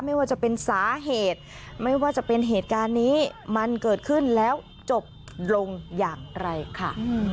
ไม่ว่าจะเป็นสาเหตุไม่ว่าจะเป็นเหตุการณ์นี้มันเกิดขึ้นแล้วจบลงอย่างไรค่ะ